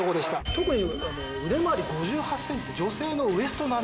特に腕周り５８ｃｍ女性のウエスト並み。